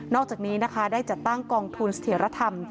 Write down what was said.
อกจากนี้นะคะได้จัดตั้งกองทุนเสถียรธรรม